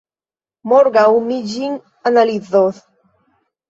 Morgaŭ mi ĝin analizos.